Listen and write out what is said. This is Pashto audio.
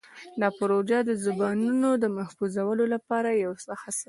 دا پروژه د زبانونو د محفوظولو لپاره یوه هڅه ده.